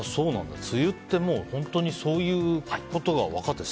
梅雨ってもう本当にそういうことが分かってる。